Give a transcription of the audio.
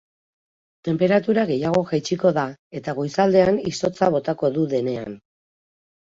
Tenperatura gehiago jaitsiko da, eta goizaldean izotza botako dudenean.